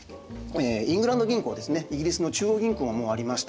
イングランド銀行ですねイギリスの中央銀行もありました。